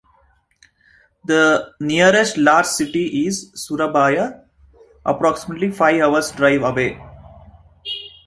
The nearest large city is Surabaya, approximately five hours' drive away.